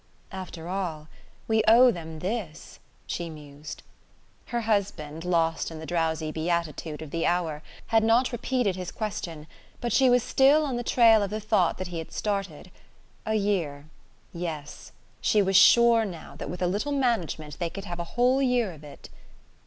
"After all, we owe them this!" she mused. Her husband, lost in the drowsy beatitude of the hour, had not repeated his question; but she was still on the trail of the thought he had started. A year yes, she was sure now that with a little management they could have a whole year of it!